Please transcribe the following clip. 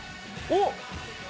おっ！